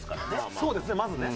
そうですねまずね。